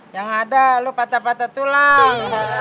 yang ada lo patah patah tulang